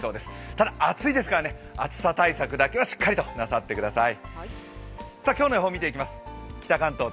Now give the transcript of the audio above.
ただ暑いですから暑さ対策だけはしっかりとなさってください。